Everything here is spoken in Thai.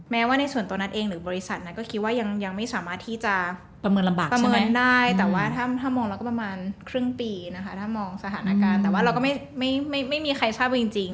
แม้ว่าในส่วนตัวนัทเองหรือบริษัทนัทก็คิดว่ายังไม่สามารถที่จะประเมินลำบากประเมินได้แต่ว่าถ้ามองเราก็ประมาณครึ่งปีนะคะถ้ามองสถานการณ์แต่ว่าเราก็ไม่มีใครทราบจริง